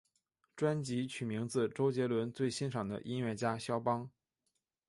专辑取名自周杰伦最欣赏的音乐家萧邦。